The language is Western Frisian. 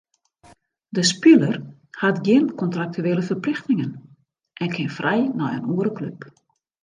De spiler hat gjin kontraktuele ferplichtingen en kin frij nei in oare klup.